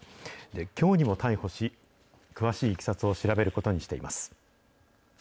きょうにも逮捕し、詳しいいきさつを調べることにしています。